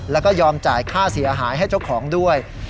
แล้วก็ยอมจ่ายค่าเสียหายให้เจ้าของด้วย